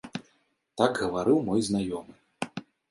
Так гаварыў мой знаёмы.